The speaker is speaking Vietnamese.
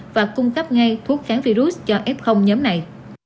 và cung cấp ngay thuốc kháng virus cho f nhóm này